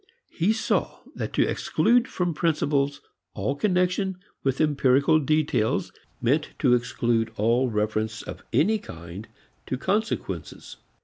He saw that to exclude from principles all connection with empirical details meant to exclude all reference of any kind to consequences.